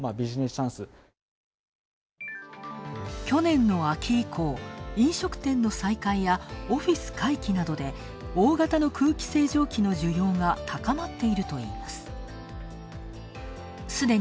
去年の秋以降、飲食店の再開やオフィス回帰などで大型の空気清浄機の需要が高まっているといいます。